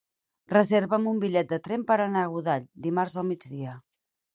Reserva'm un bitllet de tren per anar a Godall dimarts al migdia.